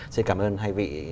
xin cảm ơn hai vị